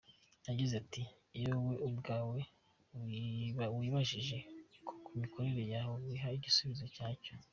Yagize ati” Iyo wowe ubwawe wibajije ku mikorere yawe, wiha igisubizo nyacyo.